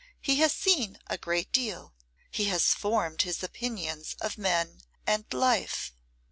He has seen a great deal; he has formed his opinions of men and life.